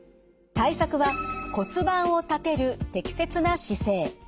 対策は骨盤を立てる適切な姿勢。